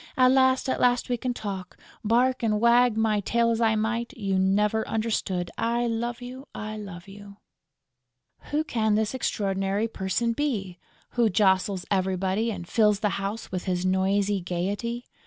At last, at last we can talk!... Bark and wag my tail as I might, you never understood!... I love you! I love you!" Who can this extraordinary person be, who jostles everybody and fills the house with his noisy gaiety?